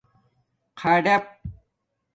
خَڈپ